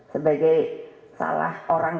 sebagai salah orang